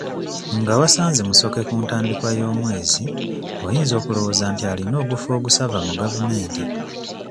Nga wasanze Musoke ku ntandikwa y'omwezi oyinza okulowooza nti alina ogufo ogusava mu gavumenti.